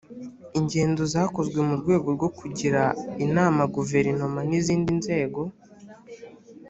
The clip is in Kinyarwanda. ingendo zakozwe mu rwego rwo kugira inama guverinoma n’izindi nzego